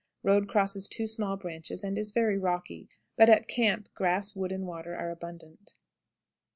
Road crosses two small branches, and is very rocky, but at camp grass, wood, and water are abundant.